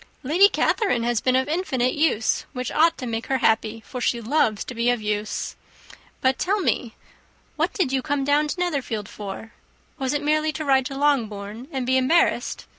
"Lady Catherine has been of infinite use, which ought to make her happy, for she loves to be of use. But tell me, what did you come down to Netherfield for? Was it merely to ride to Longbourn and be embarrassed?